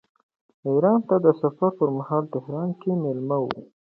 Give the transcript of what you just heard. ایران ته د سفر پرمهال تهران کې مېلمه و.